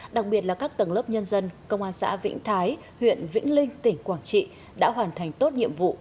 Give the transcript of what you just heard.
đặc biệt là các tầng lớp nhân dân công an xã vĩnh thái huyện vĩnh linh tỉnh quảng trị đã hoàn thành tốt nhiệm vụ